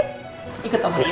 permisi ya ibu sarapah